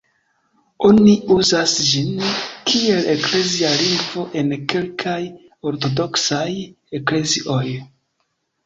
Oni uzas ĝin kiel eklezia lingvo en kelkaj Ortodoksaj eklezioj.